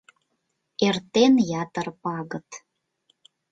«Эртен ятыр пагыт...